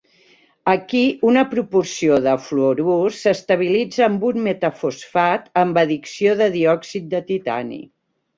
Aquí, una proporció de fluorurs s'estabilitza amb un metafosfat, amb addició de diòxid de titani.